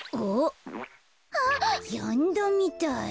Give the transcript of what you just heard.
あっやんだみたい。